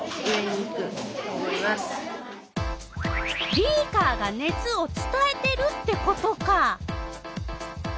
ビーカーが熱をつたえてるってことか。